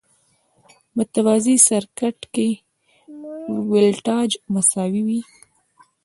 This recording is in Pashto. متوازي سرکټ کې ولټاژ مساوي وي.